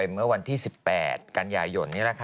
เมื่อวันที่๑๘กันยายน